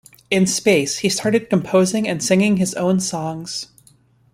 In space, he started composing and singing his own songs.